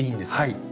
はい。